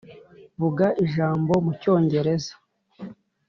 Vuga ijambo mu Cyongereza.